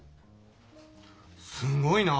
すごいな。